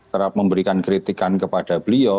kerap memberikan kritikan kepada beliau